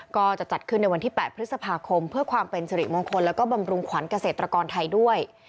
ก็จะจัดขึ้นในวันที่๘พฤษภาคมเพื่อความเป็นสิริมงคลแล้วก็บำรุงขวัญเกษตรกรไทยด้วย